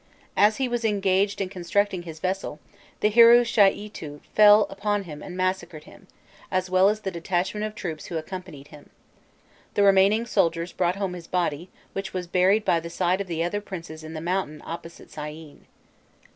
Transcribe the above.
As he was engaged in constructing his vessel, the Hirû Shâîtû fell upon him and massacred him, as well as the detachment of troops who accompanied him: the remaining soldiers brought home his body, which was buried by the side of the other princes in the mountain opposite Syene.